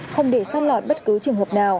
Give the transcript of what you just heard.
không để xác lọt bất cứ trường hợp nào